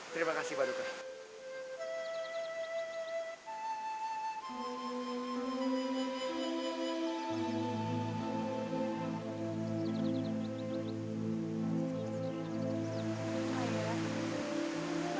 terima kasih paduka